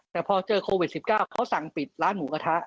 แต่พอเจอโควิด๑๙เขาสั่งปิดร้านหมูกระทะ